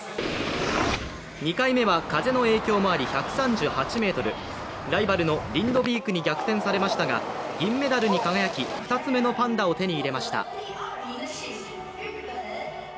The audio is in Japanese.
２回目は風の影響もあり１３８ｍ。ライバルのリンドビークに逆転されましたが、銀メダルに輝き２つ目のパンダを手に入れました。